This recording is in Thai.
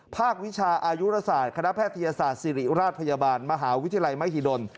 วิชาอายุราศาสตร์คณะแพทยศาสตร์ศิริราชพยาบาลมหาวิทยาลัยมหิดล